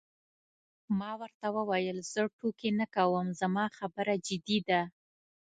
ما ورته وویل: زه ټوکې نه کوم، زما خبره جدي ده.